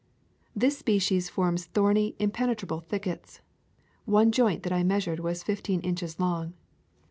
This species forms thorny, impenetrable thickets. One joint that I measured was fifteen inches long.